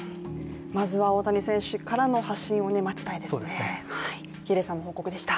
まずは大谷選手からの発信を待ちたいですね。